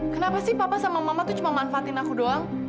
kenapa sih papa sama mama tuh cuma manfaatin aku doang